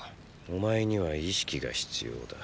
お前には意識が必要だ。